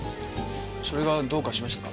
それがどうかしましたか？